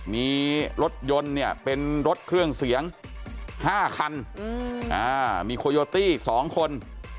มีรถยนต์เนี่ยเป็นรถเครื่องเสียงห้าคันอืมอ่ามีโคโยตี้สองคน